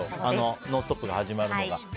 「ノンストップ！」が始まるのが。